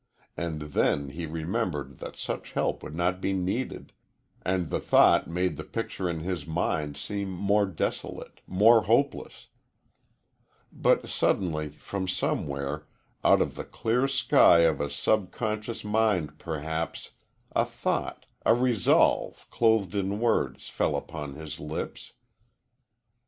And then he remembered that such help would not be needed, and the thought made the picture in his mind seem more desolate more hopeless. But suddenly, from somewhere out of the clear sky of a sub conscious mind, perhaps a thought, a resolve, clothed in words, fell upon his lips.